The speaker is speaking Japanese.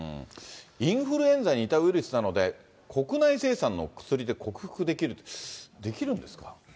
インフルエンザに似たウイルスなので、国内生産の薬で克服できるって、できるんですか。